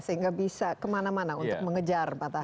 sehingga bisa kemana mana untuk mengejar patah